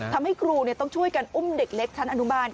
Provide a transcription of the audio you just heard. ทำให้ครูต้องช่วยกันอุ้มเด็กเล็กทางอนุบาล